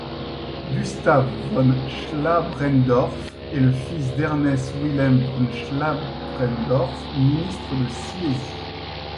Gustav von Schlabrendorf est le fils d'Ernst Wilhelm von Schlabrendorf, ministre de Silésie.